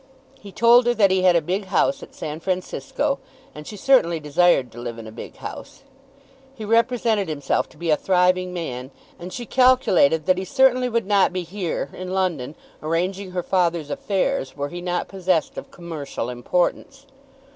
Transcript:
He told her that he had a big house at San Francisco, and she certainly desired to live in a big house. He represented himself to be a thriving man, and she calculated that he certainly would not be here, in London, arranging her father's affairs, were he not possessed of commercial importance.